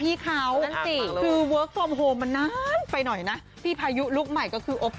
อ่าอ่ามือสะอาดแล้ว